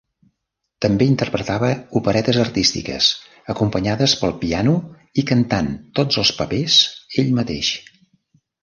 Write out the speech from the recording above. També interpretava operetes artístiques, acompanyades pel piano i cantant tots els papers ell mateix.